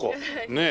ねえ。